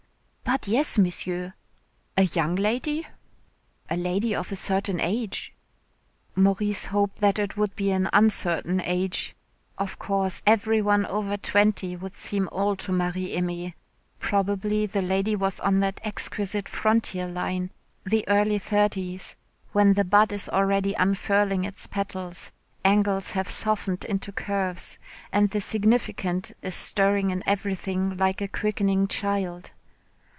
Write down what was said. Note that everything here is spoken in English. "But yes, Monsieur." "A young lady?" "A lady of a certain age." Maurice hoped that it would be an uncertain age. Of course every one over twenty would seem old to Marie Aimée. Probably the lady was on that exquisite frontier line, the early thirties, when the bud is already unfurling its petals, angles have softened into curves, and the significant is stirring in everything like a quickening child.